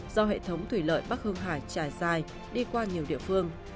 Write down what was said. do hệ thống thủy lợi bắc hương hải trải dài đi qua nhiều địa phương